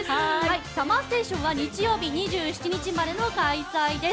ＳＵＭＭＥＲＳＴＡＴＩＯＮは日曜日、２７日までの開催です。